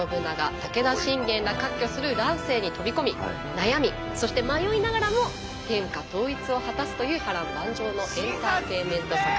武田信玄ら割拠する乱世に飛び込み悩みそして迷いながらも天下統一を果たすという波乱万丈のエンターテインメント作品となっております。